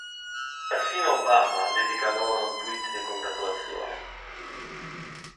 Persino Obama dedica loro un tweet di congratulazioni.